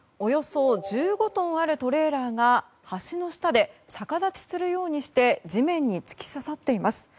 およそ１５トンあるトレーラーが、橋の下で逆立ちするようにして地面に突き刺さっています。